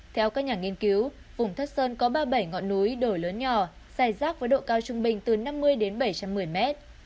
theo các nhà nghiên cứu vùng thất sơn có ba mươi bảy ngọn núi đổi lớn nhỏ dài rác với độ cao trung bình từ năm mươi đến bảy trăm một mươi mét